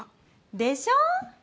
でしょ！